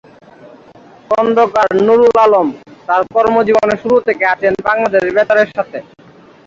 খন্দকার নুরুল আলম তার কর্মজীবনের শুরু থেকে আছেন বাংলাদেশ বেতারের সাথে।